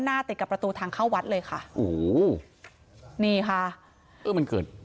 ติดกับประตูทางเข้าวัดเลยค่ะโอ้โหนี่ค่ะเออมันเกิด